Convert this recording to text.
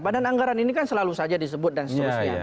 badan anggaran ini kan selalu saja disebut dan seterusnya